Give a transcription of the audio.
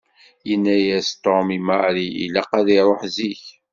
Yenna-yas Tom i Mary ilaq ad iruḥ zik.